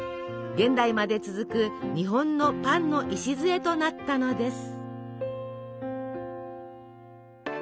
現代まで続く日本のパンの礎となったのです。